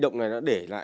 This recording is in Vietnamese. ông bị điên hả